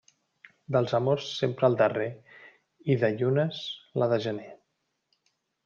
Dels amors, sempre el darrer, i de llunes, la de gener.